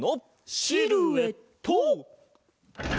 シルエット！